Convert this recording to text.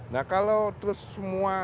nah kalau terus semua